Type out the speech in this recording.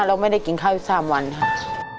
เราไม่ได้กินข้าวอีก๓วันค่ะ